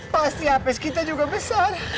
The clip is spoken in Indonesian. pasti apes kita juga besar